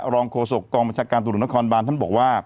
รองโคสคกองบัญชาการทุรุนครบารบอกว่า